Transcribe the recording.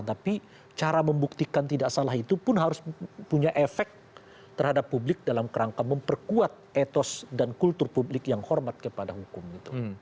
tapi cara membuktikan tidak salah itu pun harus punya efek terhadap publik dalam kerangka memperkuat etos dan kultur publik yang hormat kepada hukum itu